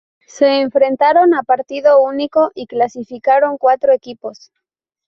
Se enfrentaron a partido único y clasificaron cuatro equipos.